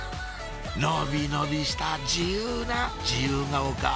伸び伸びした自由な自由が丘